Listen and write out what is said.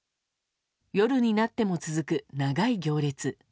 夜になっても続く長い行列。